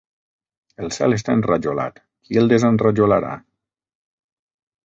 El cel està enrajolat, qui el desenrajolarà?